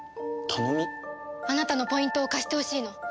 あなたのポイントを貸してほしいの。